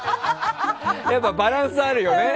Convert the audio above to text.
やっぱりバランスあるよね。